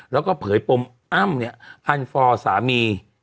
แล้วก็เผยปมอ้ำอันโฟร์สามี